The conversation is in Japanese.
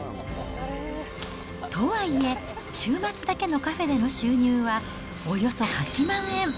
とはいえ、週末だけのカフェでの収入は、およそ８万円。